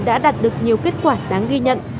đã đạt được nhiều kết quả đáng ghi nhận